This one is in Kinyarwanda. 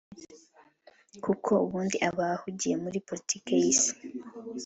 kuko ubundi aba ahugiye muri politiki y’isi